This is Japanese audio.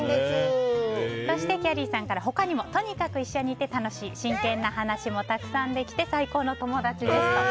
そしてきゃりーさんから他にもとにかく一緒にいて楽しい真剣な話もたくさんできて最高の友達ですと。